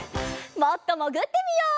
もっともぐってみよう。